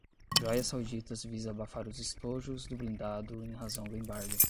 Joias sauditas visa abafar os estojos do blindado em razão do embargo